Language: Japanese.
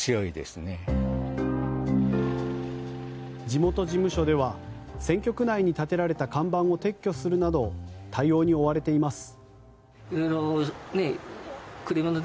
地元事務所では選挙区内に立てられた看板を撤去するなど対応に追われています。